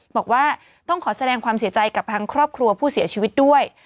บอกว่าต้องขอแสดงความเสียใจกับทางครอบครัวผู้เสียชีวิตด้วย